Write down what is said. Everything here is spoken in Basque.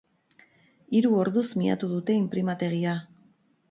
Hiru orduz miatu dute inprimategia.